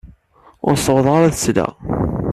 Ur ssawḍeɣ ara ad s-sleɣ.